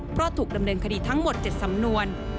เพราะถูกดำเนินคดีทั้งหมด๗สำนวน